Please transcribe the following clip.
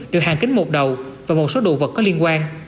được hàng kính một đầu và một số đồ vật có liên quan